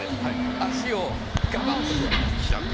足を、がばっと開きます。